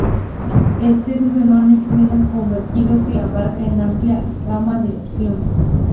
Este es un fenómeno controvertido, que abarca una amplia gama de opiniones.